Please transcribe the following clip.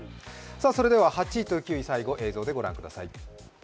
それでは８位と９位、映像でご覧ください。